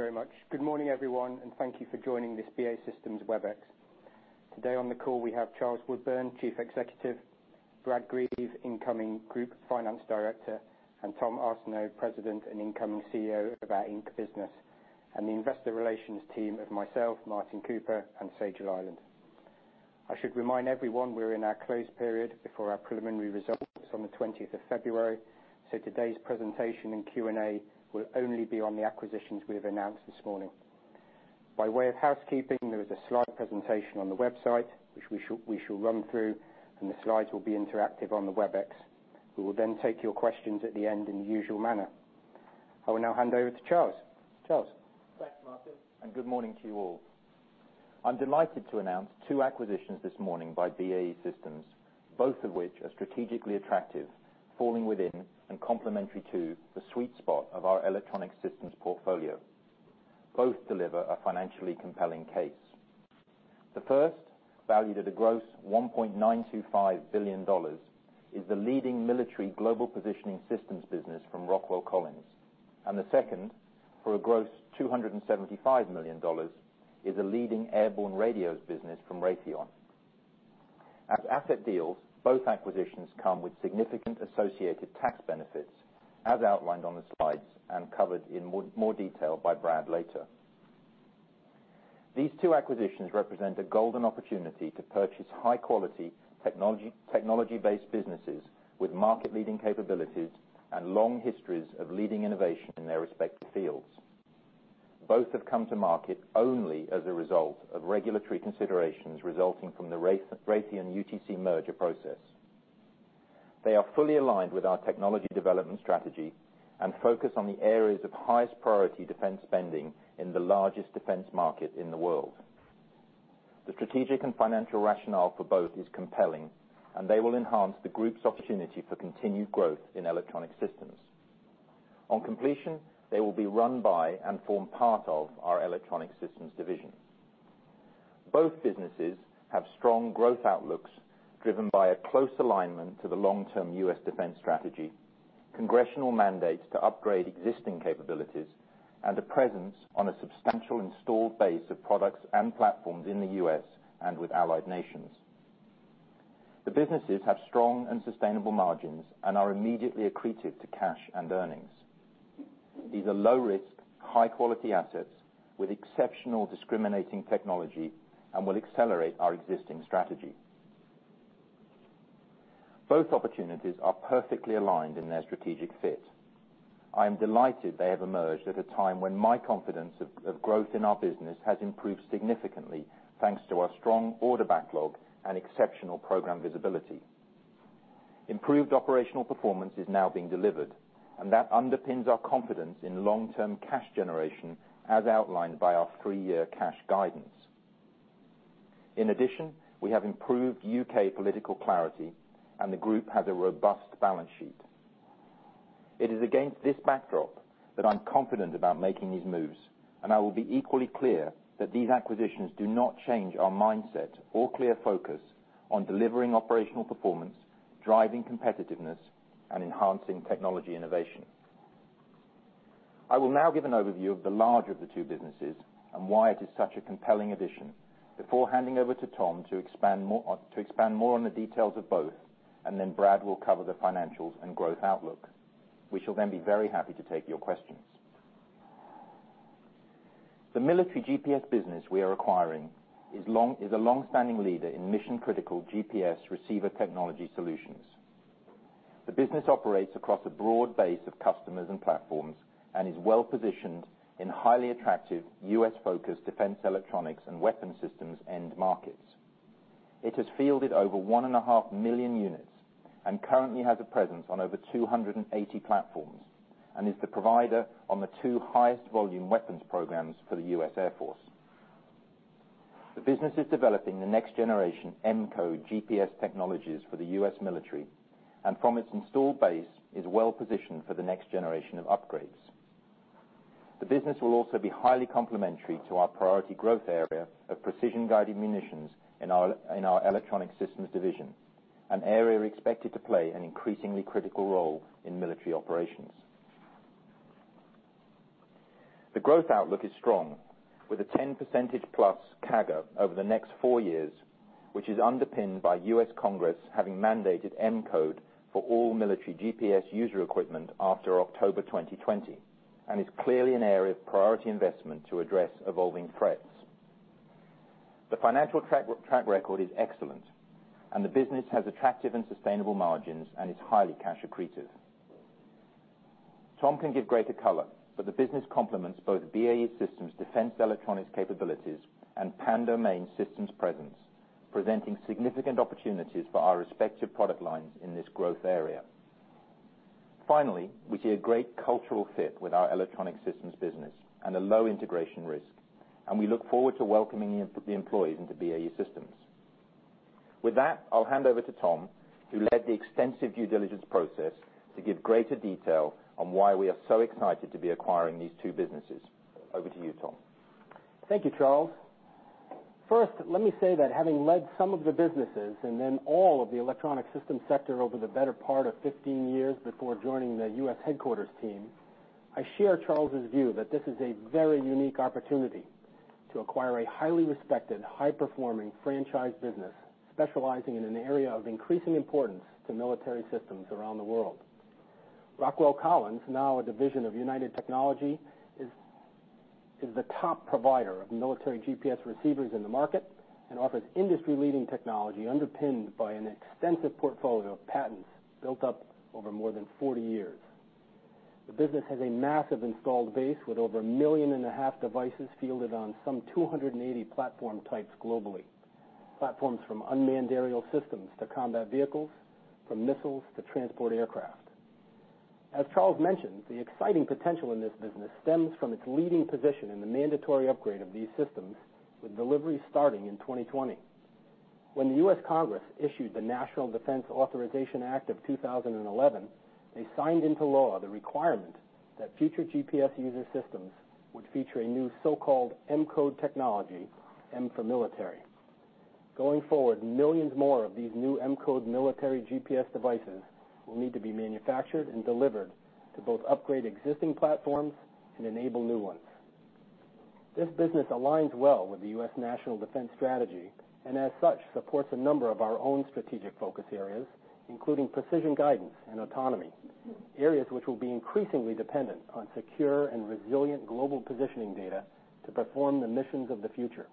Thank you very much. Good morning, everyone, and thank you for joining this BAE Systems Webex. Today on the call, we have Charles Woodburn, Chief Executive, Brad Greve, incoming Group Finance Director, and Tom Arseneault, President and incoming CEO of our Inc. business, and the investor relations team of myself, Martin Cooper, and Sejal Malde. I should remind everyone, we're in our close period before our preliminary results on the 20th of February, so today's presentation and Q&A will only be on the acquisitions we have announced this morning. By way of housekeeping, there is a slide presentation on the website, which we shall run through, and the slides will be interactive on the Webex. We will take your questions at the end in the usual manner. I will now hand over to Charles. Charles? Thanks, Martin. Good morning to you all. I'm delighted to announce two acquisitions this morning by BAE Systems, both of which are strategically attractive, falling within and complementary to the sweet spot of our Electronic Systems portfolio. Both deliver a financially compelling case. The first, valued at a gross $1.925 billion, is the leading military global positioning systems business from Rockwell Collins. The second, for a gross $275 million, is a leading airborne radios business from Raytheon. As asset deals, both acquisitions come with significant associated tax benefits, as outlined on the slides and covered in more detail by Brad later. These two acquisitions represent a golden opportunity to purchase high-quality, technology-based businesses with market-leading capabilities and long histories of leading innovation in their respective fields. Both have come to market only as a result of regulatory considerations resulting from the Raytheon-UTC merger process. They are fully aligned with our technology development strategy and focus on the areas of highest priority defense spending in the largest defense market in the world. The strategic and financial rationale for both is compelling, and they will enhance the group's opportunity for continued growth in Electronic Systems. On completion, they will be run by and form part of our Electronic Systems division. Both businesses have strong growth outlooks driven by a close alignment to the long-term U.S. defense strategy, Congressional mandates to upgrade existing capabilities, and a presence on a substantial installed base of products and platforms in the U.S. and with allied nations. The businesses have strong and sustainable margins and are immediately accretive to cash and earnings. These are low risk, high-quality assets with exceptional discriminating technology and will accelerate our existing strategy. Both opportunities are perfectly aligned in their strategic fit. I am delighted they have emerged at a time when my confidence of growth in our business has improved significantly, thanks to our strong order backlog and exceptional program visibility. Improved operational performance is now being delivered, and that underpins our confidence in long-term cash generation, as outlined by our three-year cash guidance. In addition, we have improved U.K. political clarity, and the group has a robust balance sheet. It is against this backdrop that I'm confident about making these moves, and I will be equally clear that these acquisitions do not change our mindset or clear focus on delivering operational performance, driving competitiveness, and enhancing technology innovation. I will now give an overview of the larger of the two businesses and why it is such a compelling addition before handing over to Tom to expand more on the details of both. Brad will cover the financials and growth outlook. We shall be very happy to take your questions. The military GPS business we are acquiring is a long-standing leader in mission-critical GPS receiver technology solutions. The business operates across a broad base of customers and platforms and is well-positioned in highly attractive U.S.-focused defense electronics and weapon systems end markets. It has fielded over 1.5 million units and currently has a presence on over 280 platforms and is the provider on the two highest volume weapons programs for the U.S. Air Force. The business is developing the next generation M-code GPS technologies for the U.S. military, and from its installed base, is well-positioned for the next generation of upgrades. The business will also be highly complementary to our priority growth area of precision-guided munitions in our Electronic Systems division, an area expected to play an increasingly critical role in military operations. The growth outlook is strong, with a 10% plus CAGR over the next four years, which is underpinned by U.S. Congress having mandated M-code for all military GPS user equipment after October 2020 and is clearly an area of priority investment to address evolving threats. The financial track record is excellent, and the business has attractive and sustainable margins and is highly cash accretive. Tom can give greater color, but the business complements both BAE Systems' defense electronics capabilities and pan-domain systems presence, presenting significant opportunities for our respective product lines in this growth area. Finally, we see a great cultural fit with our Electronic Systems business and a low integration risk, and we look forward to welcoming the employees into BAE Systems. With that, I'll hand over to Tom, who led the extensive due diligence process, to give greater detail on why we are so excited to be acquiring these two businesses. Over to you. Thank you, Charles. First, let me say that having led some of the businesses and then all of the Electronic Systems sector over the better part of 15 years before joining the U.S. headquarters team, I share Charles' view that this is a very unique opportunity to acquire a highly respected, high-performing franchise business specializing in an area of increasing importance to military systems around the world. Rockwell Collins, now a division of United Technologies, is the top provider of military GPS receivers in the market and offers industry-leading technology underpinned by an extensive portfolio of patents built up over more than 40 years. The business has a massive installed base with over a million and a half devices fielded on some 280 platform types globally. Platforms from unmanned aerial systems to combat vehicles, from missiles to transport aircraft. As Charles mentioned, the exciting potential in this business stems from its leading position in the mandatory upgrade of these systems, with delivery starting in 2020. When the U.S. Congress issued the National Defense Authorization Act of 2011, they signed into law the requirement that future GPS user systems would feature a new so-called M-code technology, M for military. Going forward, millions more of these new M-code military GPS devices will need to be manufactured and delivered to both upgrade existing platforms and enable new ones. This business aligns well with the U.S. national defense strategy, and as such, supports a number of our own strategic focus areas, including precision guidance and autonomy, areas which will be increasingly dependent on secure and resilient global positioning data to perform the missions of the future.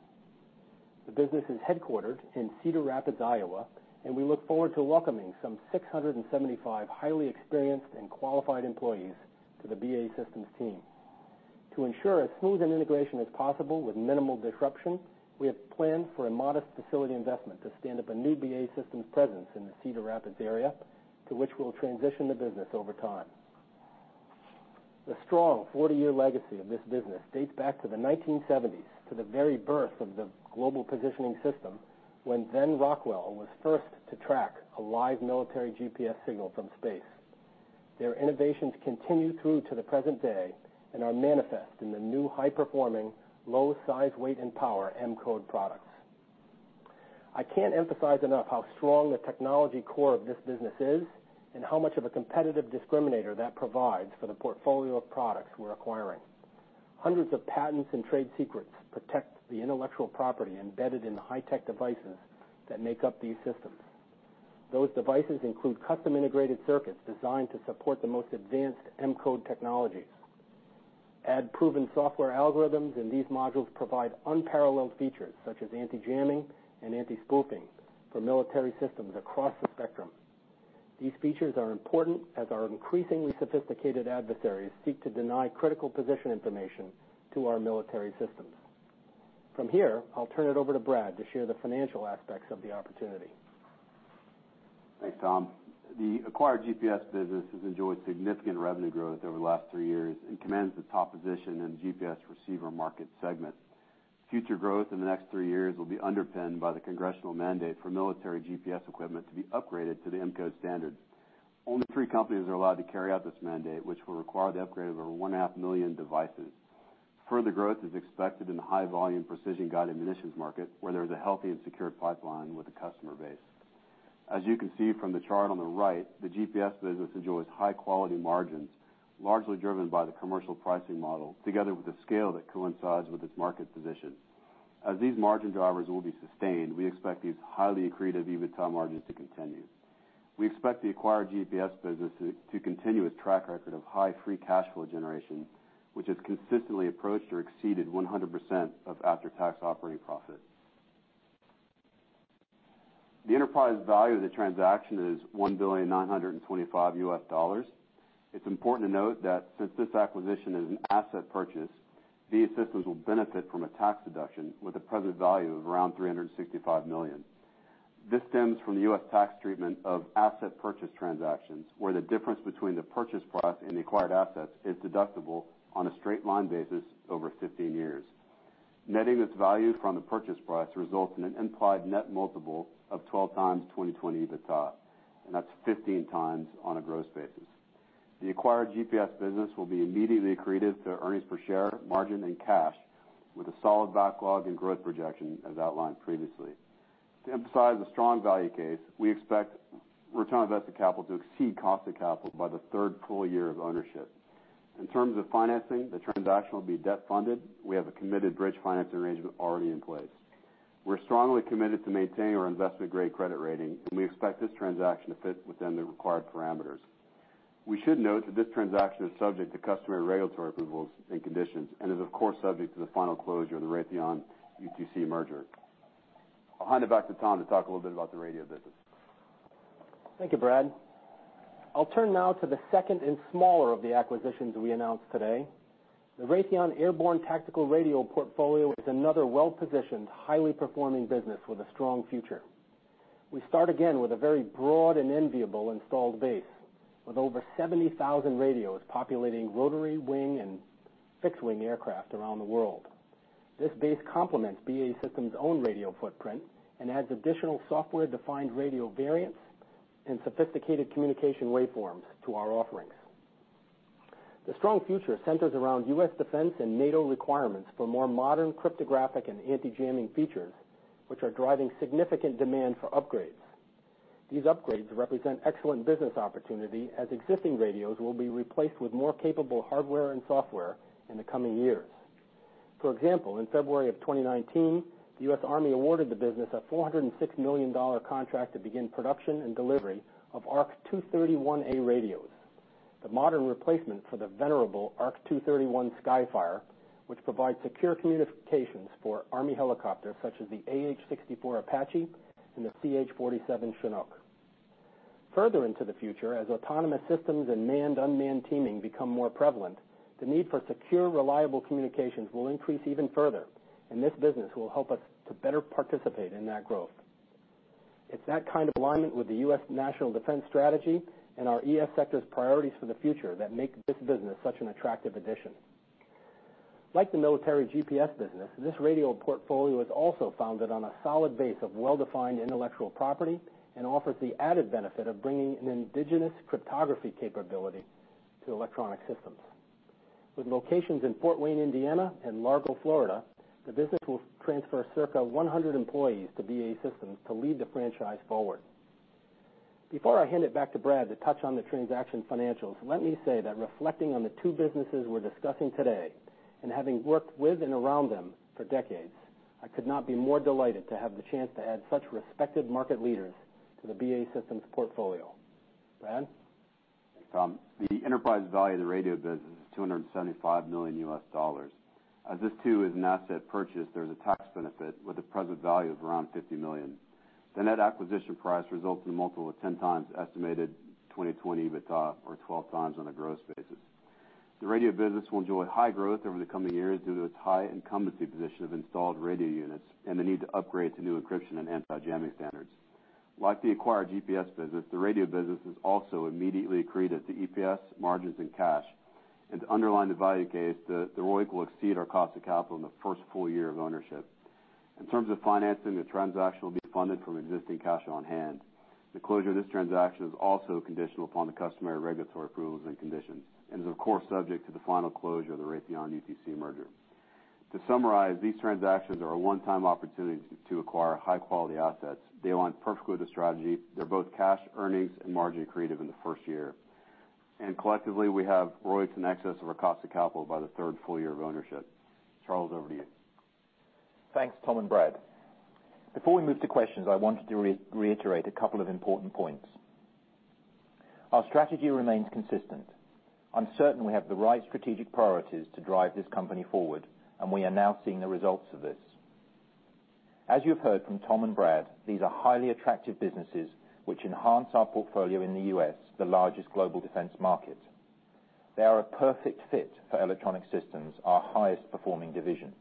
The business is headquartered in Cedar Rapids, Iowa, and we look forward to welcoming some 675 highly experienced and qualified employees to the BAE Systems team. To ensure as smooth an integration as possible with minimal disruption, we have planned for a modest facility investment to stand up a new BAE Systems presence in the Cedar Rapids area, to which we'll transition the business over time. The strong 40-year legacy of this business dates back to the 1970s, to the very birth of the global positioning system, when then Rockwell was first to track a live military GPS signal from space. Their innovations continue through to the present day and are manifest in the new high-performing, low size, weight, and power M-code products. I can't emphasize enough how strong the technology core of this business is and how much of a competitive discriminator that provides for the portfolio of products we're acquiring. Hundreds of patents and trade secrets protect the intellectual property embedded in the high-tech devices that make up these systems. Those devices include custom integrated circuits designed to support the most advanced M-code technologies. Add proven software algorithms, and these modules provide unparalleled features such as anti-jamming and anti-spoofing for military systems across the spectrum. These features are important as our increasingly sophisticated adversaries seek to deny critical position information to our military systems. From here, I'll turn it over to Brad to share the financial aspects of the opportunity. Thanks, Tom. The acquired GPS business has enjoyed significant revenue growth over the last three years and commands the top position in the GPS receiver market segment. Future growth in the next three years will be underpinned by the congressional mandate for military GPS equipment to be upgraded to the M-code standard. Only three companies are allowed to carry out this mandate, which will require the upgrade of over 1.5 million devices. Further growth is expected in the high volume precision-guided munitions market, where there is a healthy and secured pipeline with the customer base. As you can see from the chart on the right, the GPS business enjoys high-quality margins, largely driven by the commercial pricing model, together with the scale that coincides with its market position. As these margin drivers will be sustained, we expect these highly accretive EBITDA margins to continue. We expect the acquired GPS business to continue its track record of high free cash flow generation, which has consistently approached or exceeded 100% of after-tax operating profit. The enterprise value of the transaction is $1,925,000,000. It's important to note that since this acquisition is an asset purchase, BAE Systems will benefit from a tax deduction with a present value of around $365 million. This stems from the U.S. tax treatment of asset purchase transactions, where the difference between the purchase price and the acquired assets is deductible on a straight line basis over 15 years. Netting this value from the purchase price results in an implied net multiple of 12 times 2020 EBITDA, and that's 15 times on a gross basis. The acquired GPS business will be immediately accretive to earnings per share, margin, and cash, with a solid backlog and growth projection as outlined previously. To emphasize the strong value case, we expect return on invested capital to exceed cost of capital by the third full year of ownership. In terms of financing, the transaction will be debt funded. We have a committed bridge financing arrangement already in place. We're strongly committed to maintaining our investment-grade credit rating, and we expect this transaction to fit within the required parameters. We should note that this transaction is subject to customary regulatory approvals and conditions and is of course, subject to the final closure of the Raytheon-UTC merger. I'll hand it back to Tom to talk a little bit about the radio business. Thank you, Brad. I'll turn now to the second and smaller of the acquisitions we announced today. The Raytheon Airborne Tactical Radio portfolio is another well-positioned, highly performing business with a strong future. We start again with a very broad and enviable installed base, with over 70,000 radios populating rotary wing and fixed-wing aircraft around the world. This base complements BAE Systems' own radio footprint and adds additional software-defined radio variants and sophisticated communication waveforms to our offerings. The strong future centers around U.S. defense and NATO requirements for more modern cryptographic and anti-jamming features, which are driving significant demand for upgrades. These upgrades represent excellent business opportunity as existing radios will be replaced with more capable hardware and software in the coming years. For example, in February 2019, the U.S. Army awarded the business a $406 million contract to begin production and delivery of AN/ARC-231A radios. The modern replacement for the venerable AN/ARC-231 Skyfire, which provides secure communications for Army helicopters such the AH-64 Apache and the CH-47 Chinook. Further into the future, as autonomous systems and manned-unmanned teaming become more prevalent, the need for secure, reliable communications will increase even further, and this business will help us to better participate in that growth. It's that kind of alignment with the U.S. national defense strategy and our ES sector's priorities for the future that make this business such an attractive addition. Like the military GPS business, this radio portfolio is also founded on a solid base of well-defined intellectual property and offers the added benefit of bringing an indigenous cryptography capability to Electronic Systems. With locations in Fort Wayne, Indiana, and Largo, Florida, the business will transfer circa 100 employees to BAE Systems to lead the franchise forward. Before I hand it back to Brad to touch on the transaction financials, let me say that reflecting on the two businesses we're discussing today and having worked with and around them for decades, I could not be more delighted to have the chance to add such respected market leaders to the BAE Systems portfolio. Brad? Tom, the enterprise value of the radio business is $275 million. As this too is an asset purchase, there's a tax benefit with a present value of around $50 million. The net acquisition price results in a multiple of 10x estimated 2020 EBITDA or 12x on a gross basis. The radio business will enjoy high growth over the coming years due to its high incumbency position of installed radio units and the need to upgrade to new encryption and anti-jamming standards. Like the acquired GPS business, the radio business is also immediately accretive to EPS margins and cash. To underline the value case, the ROIC will exceed our cost of capital in the first full year of ownership. In terms of financing, the transaction will be funded from existing cash on hand. The closure of this transaction is also conditional upon the customary regulatory approvals and conditions, and is of course subject to the final closure of the Raytheon-UTC merger. To summarize, these transactions are a one-time opportunity to acquire high-quality assets. They align perfectly with the strategy. They're both cash, earnings, and margin accretive in the first year. Collectively, we have ROIC in excess of our cost of capital by the third full year of ownership. Charles, over to you. Thanks, Tom and Brad. Before we move to questions, I wanted to reiterate a couple of important points. Our strategy remains consistent. I'm certain we have the right strategic priorities to drive this company forward, and we are now seeing the results of this. As you've heard from Tom and Brad, these are highly attractive businesses which enhance our portfolio in the U.S., the largest global defense market. They are a perfect fit for Electronic Systems, our highest performing division.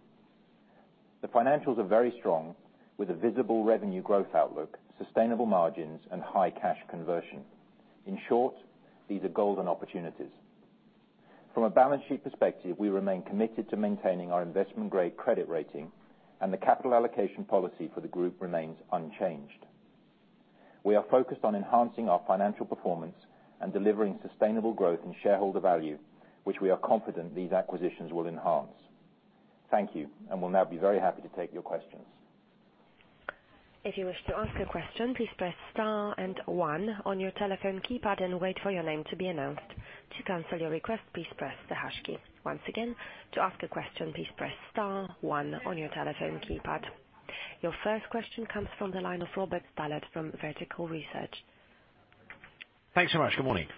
The financials are very strong, with a visible revenue growth outlook, sustainable margins, and high cash conversion. In short, these are golden opportunities. From a balance sheet perspective, we remain committed to maintaining our investment-grade credit rating, and the capital allocation policy for the group remains unchanged. We are focused on enhancing our financial performance and delivering sustainable growth in shareholder value, which we are confident these acquisitions will enhance. Thank you. Will now be very happy to take your questions. If you wish to ask a question, please press star and one on your telephone keypad and wait for your name to be announced. To cancel your request, please press the hash key. Once again, to ask a question, please press star one on your telephone keypad. Your first question comes from the line of Robert Stallard from Vertical Research. Thanks so much. Good morning.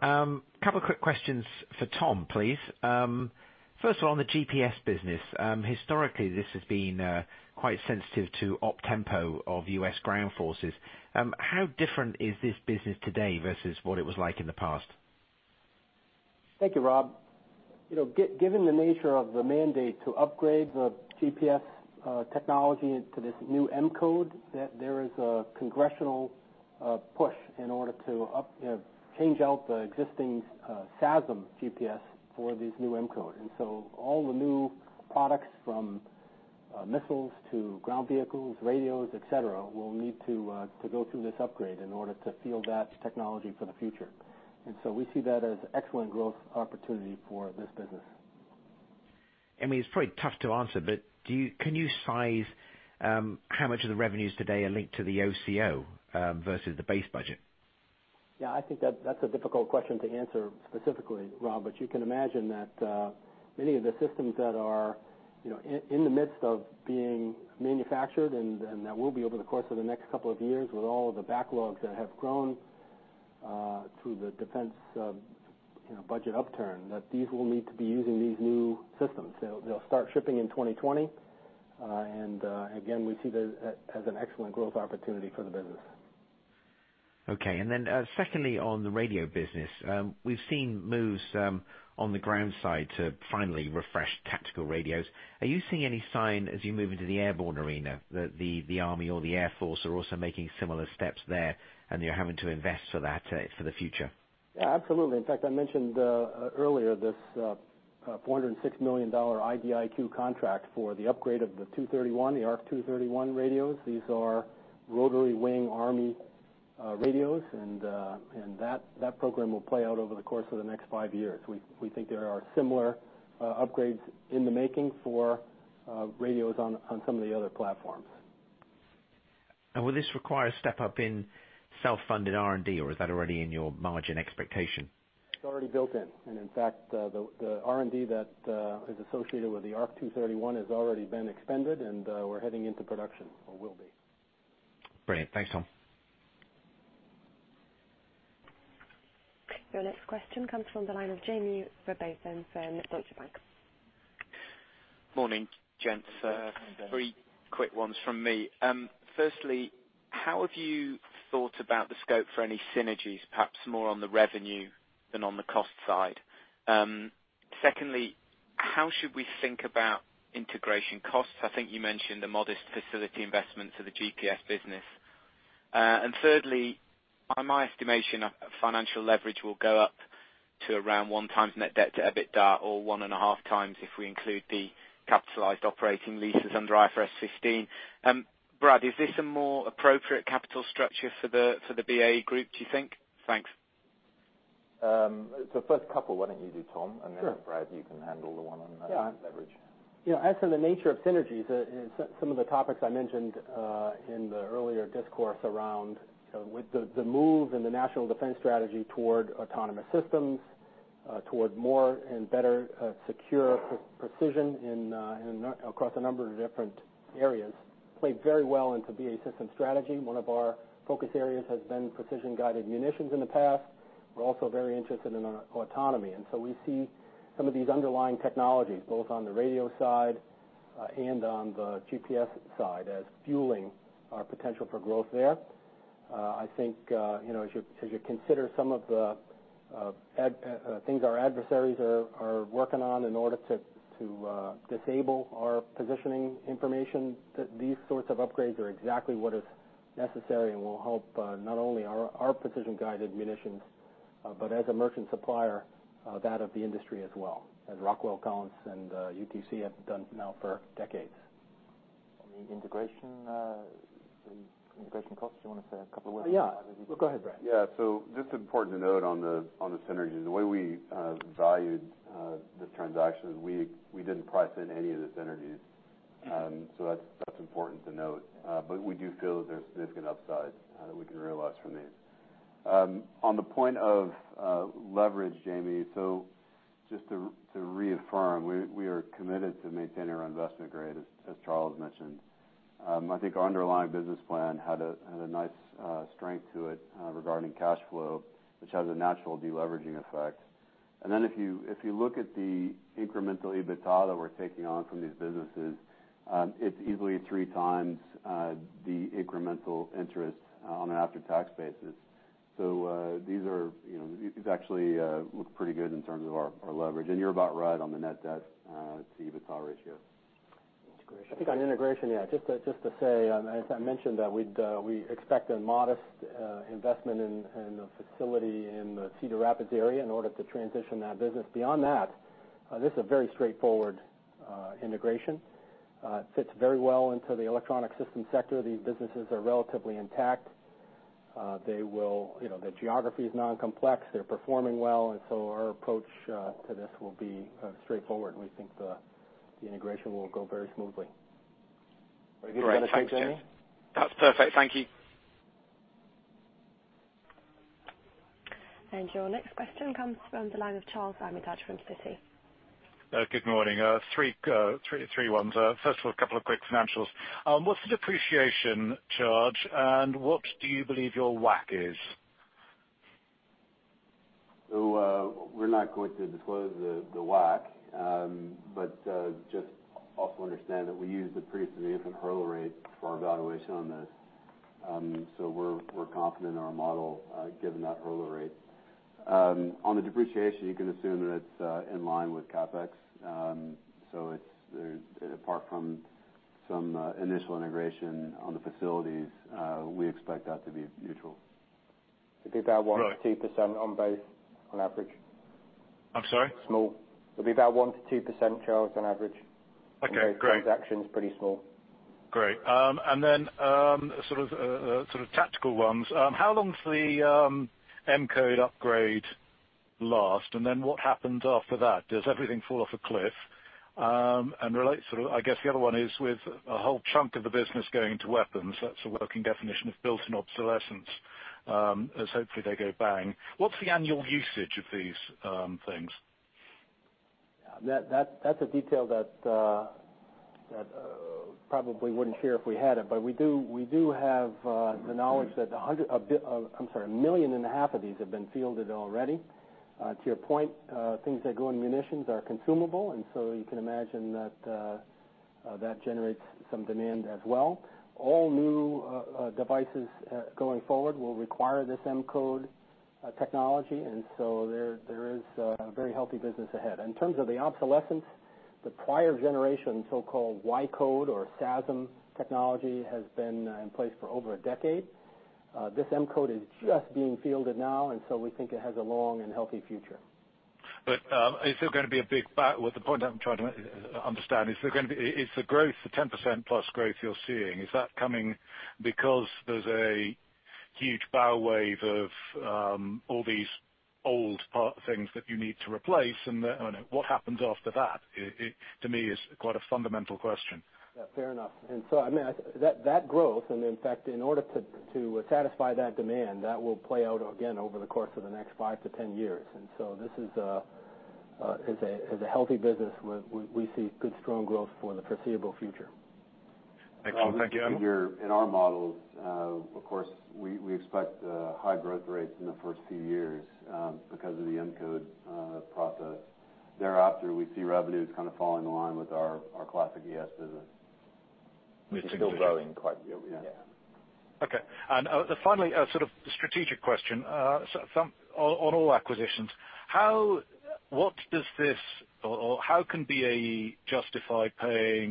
Morning. A couple of quick questions for Tom, please. First of all, on the GPS business. Historically, this has been quite sensitive to op tempo of U.S. ground forces. How different is this business today versus what it was like in the past? Thank you, Rob. Given the nature of the mandate to upgrade the GPS technology into this new M-code, there is a congressional push in order to change out the existing SAASM GPS for this new M-code. All the new products from missiles to ground vehicles, radios, et cetera, will need to go through this upgrade in order to field that technology for the future. We see that as excellent growth opportunity for this business. It's probably tough to answer, but can you size how much of the revenues today are linked to the OCO versus the base budget? Yeah, I think that's a difficult question to answer specifically, Rob, but you can imagine that many of the systems that are in the midst of being manufactured and that will be over the course of the next couple of years with all of the backlogs that have grown through the defense budget upturn, that these will need to be using these new systems. They'll start shipping in 2020. Again, we see that as an excellent growth opportunity for the business. Okay. Secondly, on the radio business. We've seen moves on the ground side to finally refresh tactical radios. Are you seeing any sign as you move into the airborne arena that the Army or the Air Force are also making similar steps there, and you're having to invest for that for the future? Yeah, absolutely. In fact, I mentioned earlier this GBP 406 million IDIQ contract for the upgrade of the ARC-231 radios. These are rotary wing Army radios, and that program will play out over the course of the next five years. We think there are similar upgrades in the making for radios on some of the other platforms. Will this require a step-up in self-funded R&D, or is that already in your margin expectation? It's already built in. In fact, the R&D that is associated with the ARC-231 has already been expended, and we're heading into production, or will be. Brilliant. Thanks, Tom. Your next question comes from the line of Jaime Rowbotham from Deutsche Bank. Morning, gents. Morning, Jamie. Three quick ones from me. Firstly, how have you thought about the scope for any synergies, perhaps more on the revenue than on the cost side? Secondly, how should we think about integration costs? I think you mentioned the modest facility investments of the GPS business. Thirdly, by my estimation, financial leverage will go up to around one times net debt to EBITDA, or 1.5 times if we include the capitalized operating leases under IFRS 16. Brad, is this a more appropriate capital structure for the BAE group, do you think? Thanks. The first couple, why don't you do, Tom. Sure Brad, you can handle the one on leverage. Yeah. As for the nature of synergies, some of the topics I mentioned in the earlier discourse around the move in the national defense strategy toward autonomous systems, toward more and better secure precision across a number of different areas, play very well into BAE Systems' strategy. One of our focus areas has been precision-guided munitions in the past. We're also very interested in autonomy. We see some of these underlying technologies, both on the radio side and on the GPS side, as fueling our potential for growth there. I think, as you consider some of the things our adversaries are working on in order to disable our positioning information, that these sorts of upgrades are exactly what is necessary and will help not only our precision-guided munitions, but as a merchant supplier, that of the industry as well, as Rockwell Collins and UTC have done now for decades. On the integration costs, do you want to say a couple words? Yeah. Go ahead, Brad. Just important to note on the synergies, the way we valued this transaction, we didn't price in any of the synergies. That's important to note. We do feel that there's significant upside that we can realize from these. On the point of leverage, Jaime, just to reaffirm, we are committed to maintaining our investment grade, as Charles mentioned. I think our underlying business plan had a nice strength to it regarding cash flow, which has a natural de-leveraging effect. Then if you look at the incremental EBITDA that we're taking on from these businesses, it's easily three times the incremental interest on an after-tax basis. These actually look pretty good in terms of our leverage, and you're about right on the net debt to EBITDA ratio. Integration. I think on integration, yeah, just to say, as I mentioned, that we expect a modest investment in a facility in the Cedar Rapids area in order to transition that business. Beyond that, this is a very straightforward integration. It fits very well into the Electronic Systems sector. These businesses are relatively intact. The geography is non-complex. They're performing well. Our approach to this will be straightforward, and we think the integration will go very smoothly. Brad, you got anything, Jaime? That's perfect. Thank you. Your next question comes from the line of Charles Armitage from Citi. Good morning. Three ones. First of all, a couple of quick financials. What's the depreciation charge, and what do you believe your WACC is? We're not going to disclose the WACC. Just also understand that we use a pretty significant hurdle rate for our valuation on this. We're confident in our model, given that hurdle rate. On the depreciation, you can assume that it's in line with CapEx. Apart from some initial integration on the facilities, we expect that to be neutral. It'll be about 1%-2% on both, on average. I'm sorry? Small. It'll be about 1% to 2%, Charles, on average. Okay, great. The transaction's pretty small. Great. Then sort of tactical ones. How long does the M-code upgrade last, and then what happens after that? Does everything fall off a cliff? Related, I guess the other one is with a whole chunk of the business going to weapons, that's the working definition of built-in obsolescence, as hopefully they go bang. What's the annual usage of these things? That's a detail that probably wouldn't share if we had it. We do have the knowledge that 1.5 million of these have been fielded already. To your point, things that go in munitions are consumable, you can imagine that generates some demand as well. All new devices going forward will require this M-code technology. It's a very healthy business ahead. In terms of the obsolescence, the prior generation, so-called P(Y) code or SAASM technology, has been in place for over a decade. This M-code is just being fielded now, we think it has a long and healthy future. The point I'm trying to understand, is the growth, the 10% plus growth you're seeing, is that coming because there's a huge bow wave of all these old part things that you need to replace? What happens after that? To me, it's quite a fundamental question. Yeah, fair enough. That growth, and in fact, in order to satisfy that demand, that will play out again over the course of the next 5 to 10 years. This is a healthy business where we see good strong growth for the foreseeable future. Excellent. Thank you. In our models, of course, we expect high growth rates in the first few years because of the M-code process. Thereafter, we see revenues falling in line with our classic ES business. We're still growing quite a bit. Yeah. Okay. Finally, sort of a strategic question. On all acquisitions, how can BAE justify paying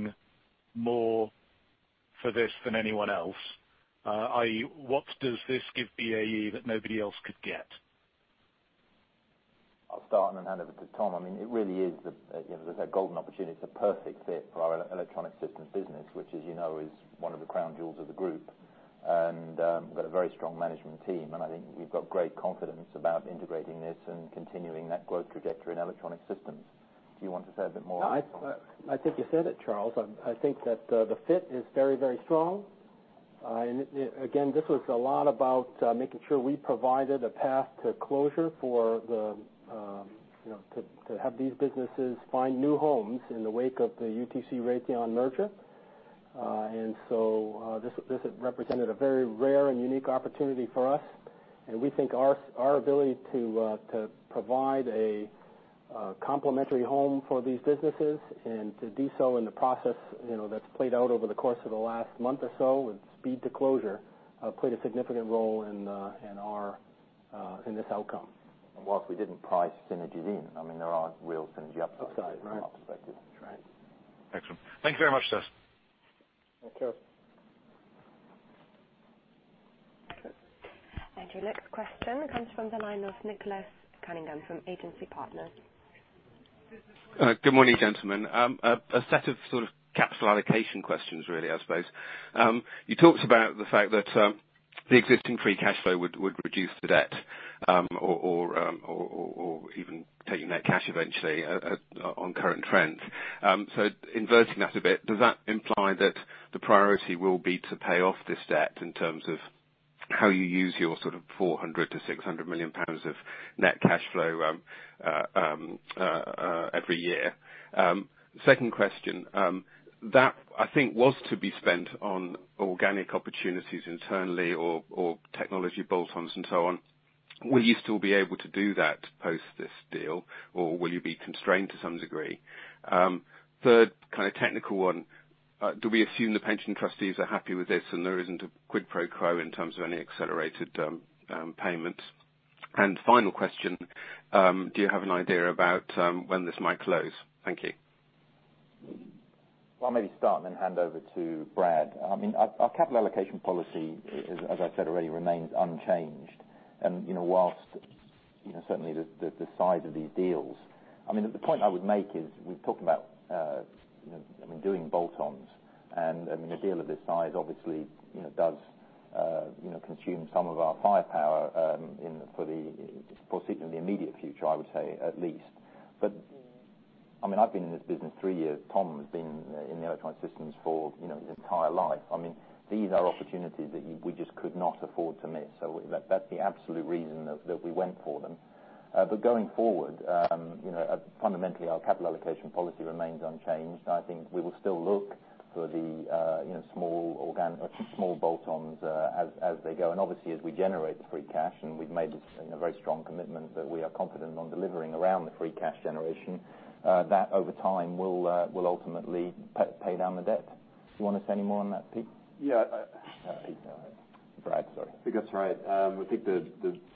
more for this than anyone else? I.e., what does this give BAE that nobody else could get? I'll start and then hand over to Tom. It really is, as I said, a golden opportunity. It's a perfect fit for our Electronic Systems business, which as you know, is one of the crown jewels of the group. We've got a very strong management team, and I think we've got great confidence about integrating this and continuing that growth trajectory in Electronic Systems. Do you want to say a bit more? I think you said it, Charles. I think that the fit is very, very strong. Again, this was a lot about making sure we provided a path to closure to have these businesses find new homes in the wake of the UTC Raytheon merger. This represented a very rare and unique opportunity for us, and we think our ability to provide a complementary home for these businesses and to do so in the process that's played out over the course of the last month or so with speed to closure, played a significant role in this outcome. While we didn't price synergies in, there are real synergy upside. Upside, right? from our perspective. That's right. Excellent. Thank you very much, Charles. Thank you. Your next question comes from the line of Nicholas Cunningham from Agency Partners. Good morning, gentlemen. A set of capital allocation questions really, I suppose. You talked about the fact that the existing free cash flow would reduce the debt, or even taking that cash eventually on current trends. Inverting that a bit, does that imply that the priority will be to pay off this debt in terms of how you use your £400 million to £600 million of net cash flow every year? Second question, that I think was to be spent on organic opportunities internally or technology bolt-ons and so on. Will you still be able to do that post this deal, or will you be constrained to some degree? Third technical one, do we assume the pension trustees are happy with this and there isn't a quid pro quo in terms of any accelerated payments? Final question, do you have an idea about when this might close? Thank you. Well, I'll maybe start and then hand over to Brad. Our capital allocation policy, as I said already, remains unchanged. While certainly the size of these deals, the point I would make is we've talked about doing bolt-ons, and a deal of this size obviously does consume some of our firepower for certainly the immediate future, I would say, at least. I've been in this business three years. Tom has been in the Electronic Systems for his entire life. These are opportunities that we just could not afford to miss. That's the absolute reason that we went for them. Going forward, fundamentally, our capital allocation policy remains unchanged, and I think we will still look for the small bolt-ons as they go. Obviously, as we generate the free cash, and we've made a very strong commitment that we are confident on delivering around the free cash generation, that over time, will ultimately pay down the debt. Do you want to say any more on that, Pete? Yeah. Brad, sorry. I think that's right. I think the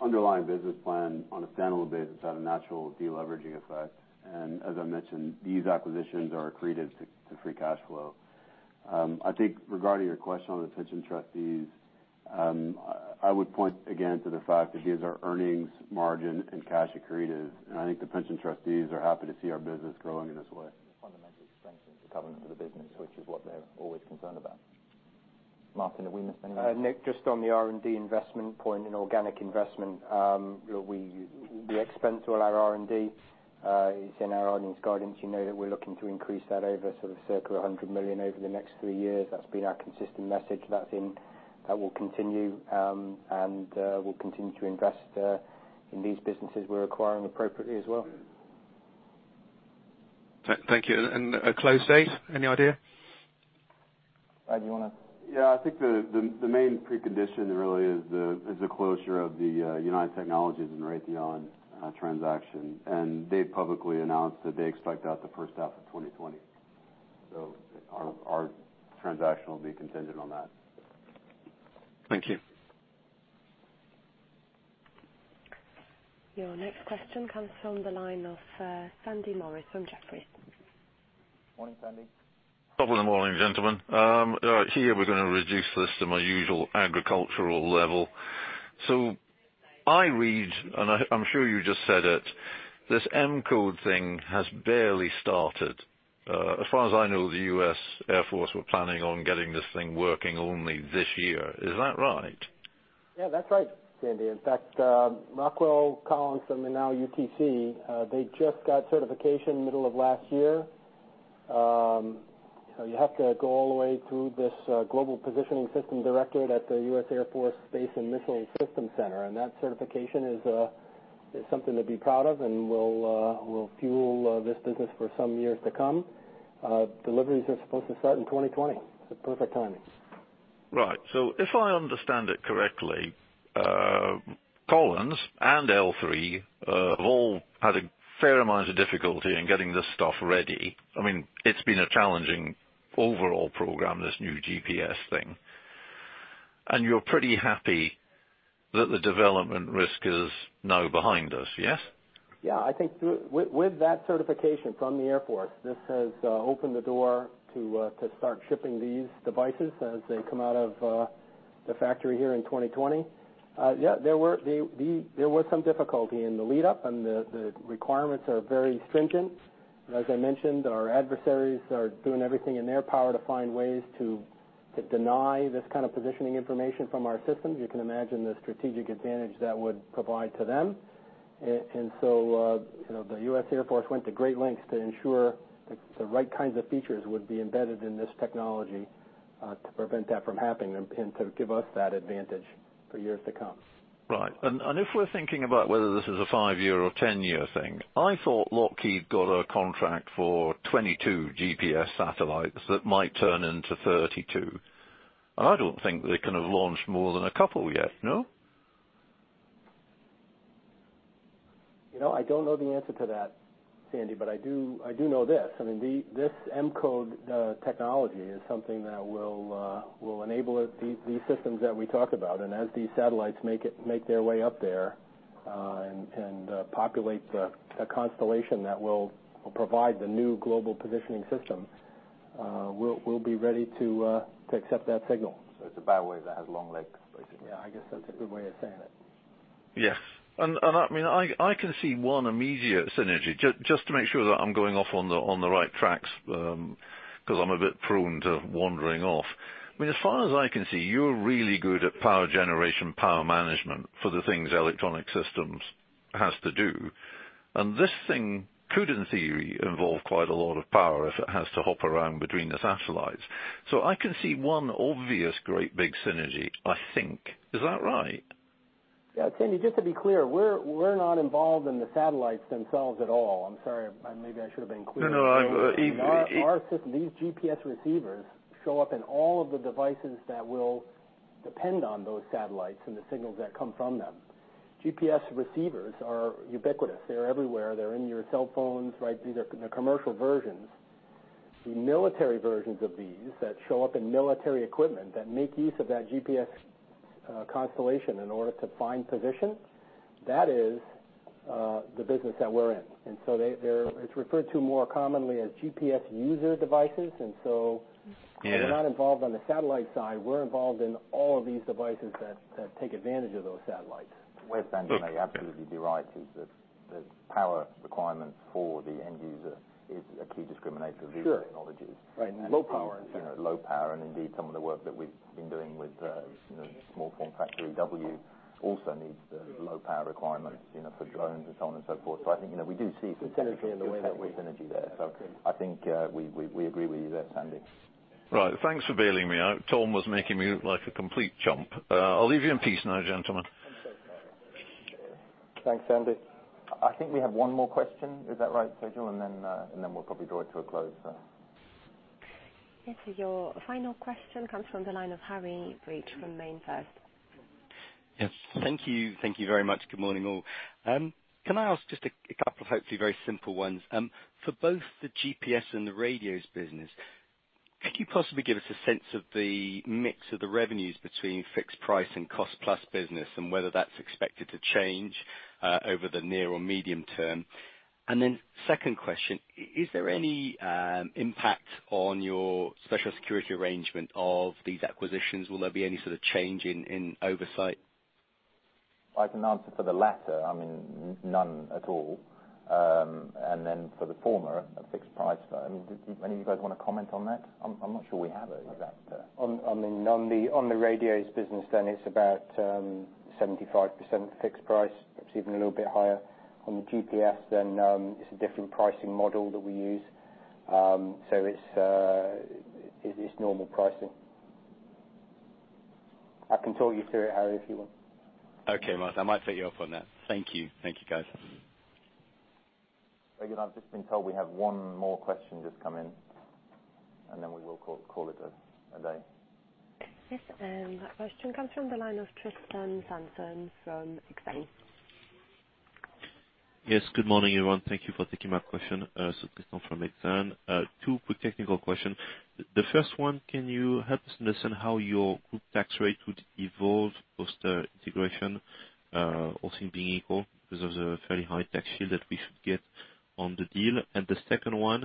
underlying business plan on a stand-alone basis had a natural de-leveraging effect, and as I mentioned, these acquisitions are accretive to free cash flow. I think regarding your question on the pension trustees, I would point again to the fact that these are earnings margin and cash accretive, and I think the pension trustees are happy to see our business growing in this way. The fundamental strength of the governance of the business, which is what they're always concerned about. Martin, have we missed anything? Nick, just on the R&D investment point and organic investment, we expense all our R&D. It's in our earnings guidance. You know that we're looking to increase that over sort of circa 100 million over the next three years. That's been our consistent message. That will continue, and we'll continue to invest in these businesses we're acquiring appropriately as well. Thank you. A close date, any idea? Brad, do you want to? Yeah, I think the main precondition really is the closure of the United Technologies and Raytheon transaction, and they publicly announced that they expect that the first half of 2020. Our transaction will be contingent on that. Thank you. Your next question comes from the line of Sandy Morris from Jefferies. Morning, Sandy. Top of the morning, gentlemen. Here, we're going to reduce this to my usual agricultural level. I read, and I'm sure you just said it, this M-code thing has barely started. As far as I know, the U.S. Air Force were planning on getting this thing working only this year. Is that right? Yeah, that's right, Sandy. In fact, Rockwell Collins and now UTC, they just got certification middle of last year. You have to go all the way through this Global Positioning Systems Directorate at the U.S. Air Force Space and Missile Systems Center. That certification is something to be proud of, and will fuel this business for some years to come. Deliveries are supposed to start in 2020. Perfect timing. Right. If I understand it correctly, Collins and L3 have all had a fair amount of difficulty in getting this stuff ready. It's been a challenging overall program, this new GPS thing. You're pretty happy that the development risk is now behind us, yes? Yeah, I think with that certification from the Air Force, this has opened the door to start shipping these devices as they come out of the factory here in 2020. Yeah, there was some difficulty in the lead up, and the requirements are very stringent. As I mentioned, our adversaries are doing everything in their power to find ways to deny this kind of positioning information from our systems. You can imagine the strategic advantage that would provide to them. The U.S. Air Force went to great lengths to ensure the right kinds of features would be embedded in this technology, to prevent that from happening and to give us that advantage for years to come. Right. If we're thinking about whether this is a five-year or 10-year thing, I thought Lockheed got a contract for 22 GPS satellites that might turn into 32. I don't think they could have launched more than a couple yet, no? I don't know the answer to that, Sandy, but I do know this. This M-code technology is something that will enable these systems that we talk about. As these satellites make their way up there, and populate a constellation that will provide the new Global Positioning System, we'll be ready to accept that signal. It's a bad way that has long legs, basically. Yeah, I guess that's a good way of saying it. Yes. I can see one immediate synergy, just to make sure that I'm going off on the right tracks, because I'm a bit prone to wandering off. As far as I can see, you're really good at power generation, power management for the things Electronic Systems has to do, and this thing could, in theory, involve quite a lot of power if it has to hop around between the satellites. I can see one obvious great big synergy, I think. Is that right? Yeah, Sandy, just to be clear, we're not involved in the satellites themselves at all. I'm sorry, maybe I should have been clear. No, no. Our system, these GPS receivers show up in all of the devices that will depend on those satellites and the signals that come from them. GPS receivers are ubiquitous. They're everywhere. They're in your cell phones, these are the commercial versions. The military versions of these that show up in military equipment that make use of that GPS constellation in order to find position, that is the business that we're in. It's referred to more commonly as GPS user devices. Yeah. We're not involved on the satellite side. We're involved in all of these devices that take advantage of those satellites. Where Sandy may absolutely be right is the power requirement for the end user is a key discriminator of these technologies. Sure. Right, low power. Low power, and indeed, some of the work that we've been doing with small form factor EW also needs the low power requirements, for drones and so on and so forth. I think. Synergy in the way. Synergy there. I think we agree with you there, Sandy. Right. Thanks for bailing me out. Tom was making me look like a complete chump. I'll leave you in peace now, gentlemen. I'm so sorry. Thanks, Sandy. I think we have one more question. Is that right, Sejal? Then we'll probably draw it to a close. Yes. Your final question comes from the line of Harry Breach from MainFirst. Yes. Thank you. Thank you very much. Good morning, all. Can I ask just a couple of hopefully very simple ones? For both the GPS and the radios business, could you possibly give us a sense of the mix of the revenues between fixed price and cost plus business, and whether that's expected to change over the near or medium term? Second question, is there any impact on your special security arrangement of these acquisitions? Will there be any sort of change in oversight? I can answer for the latter. None at all. For the former, a fixed price. Any of you guys want to comment on that? I'm not sure we have that. On the radios business, it's about 75% fixed price, perhaps even a little bit higher. On the GPS, it's a different pricing model that we use. It's normal pricing. I can talk you through it, Harry, if you want. Okay, Martin. I might take you up on that. Thank you. Thank you, guys. Regan, I've just been told we have one more question just come in, and then we will call it a day. Yes. That question comes from the line of Tristan Samson from Exane. Yes. Good morning, everyone. Thank you for taking my question. Tristan from Exane. Two quick technical question. The first one, can you help us understand how your group tax rate would evolve post the integration, all things being equal, because there's a very high tax shield that we should get on the deal? The second one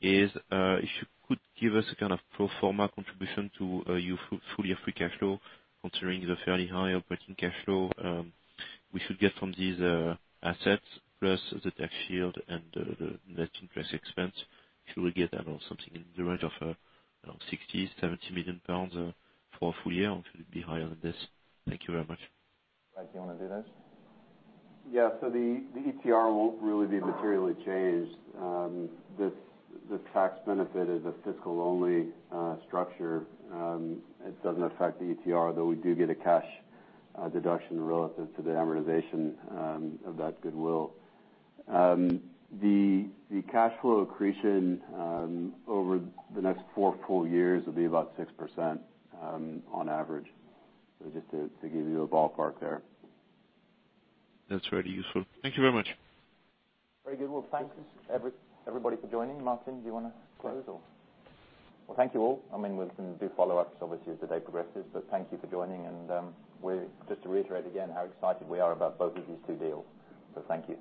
is, if you could give us a kind of pro forma contribution to your full year free cash flow, considering the fairly high operating cash flow we should get from these assets, plus the tax shield and the net interest expense. Should we get something in the range of 60 million-70 million pounds for a full year, or could it be higher than this? Thank you very much. Mike, do you want to do this? The ETR won't really be materially changed. The tax benefit is a fiscal-only structure. It doesn't affect the ETR, though we do get a cash deduction relative to the amortization of that goodwill. The cash flow accretion over the next four full years will be about 6%, on average, just to give you a ballpark there. That's very useful. Thank you very much. Very good. Thank everybody for joining. Martin, do you want to close, or? Thank you all. We can do follow-ups, obviously, as the day progresses, but thank you for joining, and just to reiterate again how excited we are about both of these two deals. Thank you.